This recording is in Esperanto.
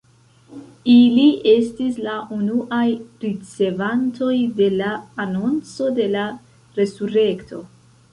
Ili estis la unuaj ricevantoj de la anonco de la resurekto.